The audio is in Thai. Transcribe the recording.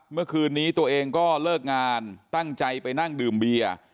เมื่อคืนนี้ตัวเองก็เลิกงานตั้งใจไปนั่งดื่มเบียร์